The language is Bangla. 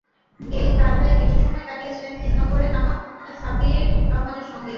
গেইল কাল তাই বেশি সময় কাটিয়েছেন তিন নম্বরে নামা সাব্বির রহমানের সঙ্গে।